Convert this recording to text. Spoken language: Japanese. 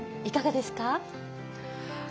いかがですか？